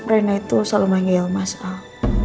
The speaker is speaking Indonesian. reina itu selalu manggil mas al